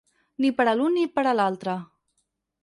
Ni per a l’un ni per a l’altre.